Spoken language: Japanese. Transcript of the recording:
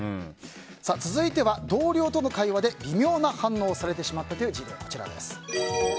続いては同僚との会話で微妙な反応をされてしまったという事例です。